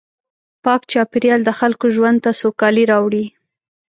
پاک چاپېریال د خلکو ژوند ته سوکالي راوړي.